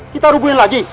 kita rubuhin lagi